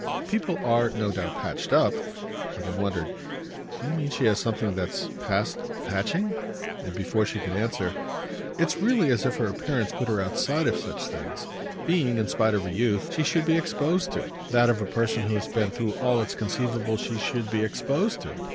"People are, no doubt, patched up." But he wondered. "Do you mean she has something that's past patching?" And before she could answer: "It's really as if her appearance put her outside of such things being, in spite of her youth, that of a person who has been through all it's conceivable she should be exposed to.